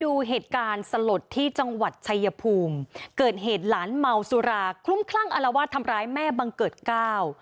ดูเหตุการณ์สลดที่จังหวัดชายภูมิเกิดเหตุหลานเมาสุราคลุ้มคลั่งอารวาสทำร้ายแม่บังเกิดเก้า